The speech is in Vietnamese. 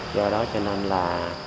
do đó cho nên là